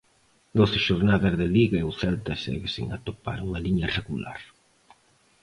Doce xornadas de Liga e o Celta segue sen atopar unha liña regular.